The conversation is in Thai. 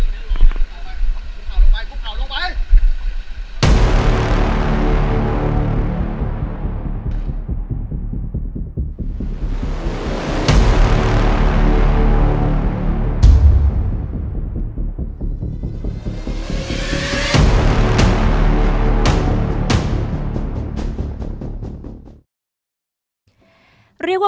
อยู่หน้ารถเป้าหมายไหมจ้ำ